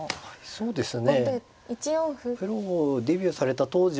そうですね。